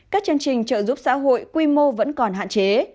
các chương trình trợ giúp xã hội quy mô vẫn còn hạn chế